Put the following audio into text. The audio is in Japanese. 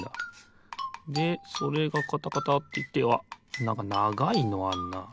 でそれがカタカタっていってあっなんかながいのあんな。